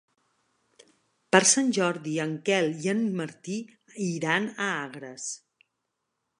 Per Sant Jordi en Quel i en Martí iran a Agres.